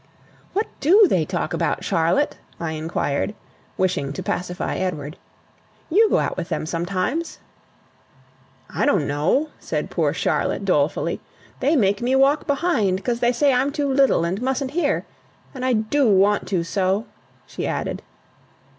"What DO they talk about, Charlotte?" I inquired, wishing to pacify Edward. "You go out with them sometimes." "I don't know," said poor Charlotte, dolefully. "They make me walk behind, 'cos they say I'm too little, and mustn't hear. And I DO want to so," she added.